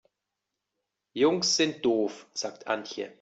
Jungs sind doof, sagt Antje.